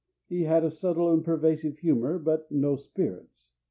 He had a subtle and pervasive humor, but no spirits.